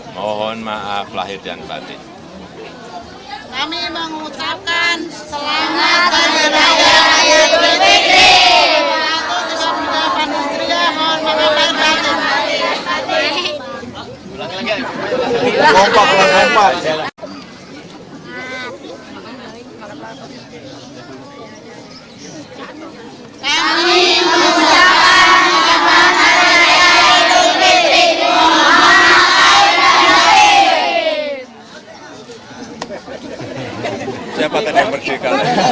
mohon maaf lahir dan batik